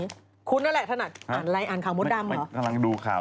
ในการไม่รู้จะทำอะไรดิอยากทิ้งขนมมากค่ะ